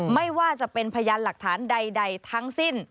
ไม่ว่าจะเป็นพยานหลักฐานใดทั้งสิ้น